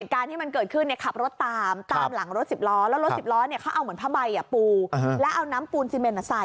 การที่มันเกิดขึ้นเนี่ยขับรถตามตามหลังรถสิบล้อแล้วรถสิบล้อเนี่ยเขาเอาเหมือนผ้าใบปูแล้วเอาน้ำปูนซีเมนใส่